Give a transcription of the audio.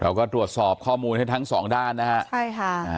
เราก็ตรวจสอบข้อมูลให้ทั้งสองด้านนะฮะใช่ค่ะอ่า